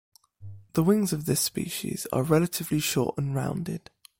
The wings of this species are relatively short and rounded.